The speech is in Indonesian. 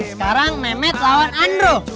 sekarang mehmet lawan andro